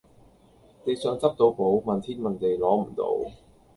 地上執到寶，問天問地攞唔到